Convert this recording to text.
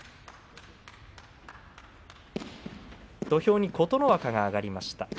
土俵に琴ノ若が上がりました。